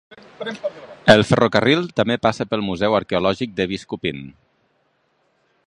El ferrocarril també passa pel museu arqueològic de Biskupin.